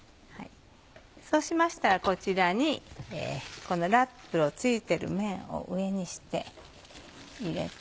そうしましたらこちらにラップの付いてる面を上にして入れて。